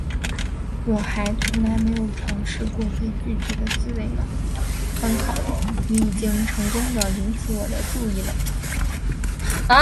我还从来没有尝试过被拒绝的滋味呢，很好，你已经成功地引起我的注意了